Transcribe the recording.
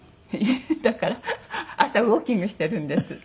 だから朝ウォーキングしてるんです。